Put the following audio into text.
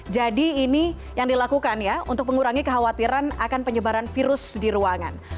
jadi ini yang dilakukan ya untuk mengurangi kekhawatiran akan penyebaran virus di ruangan